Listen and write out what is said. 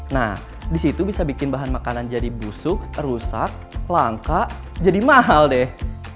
nah disitu bisa bikin bahan makanan jadi busuk rusak langka jadi mahal deh